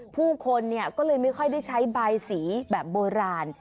ผู้คนก็เลยไม่ค่อยได้ใช้บายสีแบบโบราณ